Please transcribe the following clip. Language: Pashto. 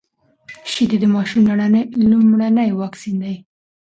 شيدې د ماشوم لومړنی واکسين دی.